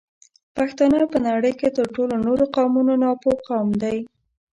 پښتانه په نړۍ کې تر ټولو نورو قومونو ناپوه قوم دی